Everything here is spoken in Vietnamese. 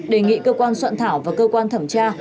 đề nghị cơ quan soạn thảo và cơ quan thẩm tra